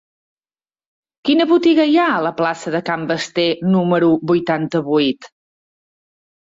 Quina botiga hi ha a la plaça de Can Basté número vuitanta-vuit?